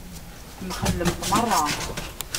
Temxellemt meṛṛa.